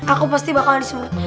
aku pasti bakal disebut